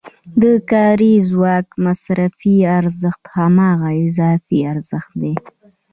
د کاري ځواک مصرفي ارزښت هماغه اضافي ارزښت دی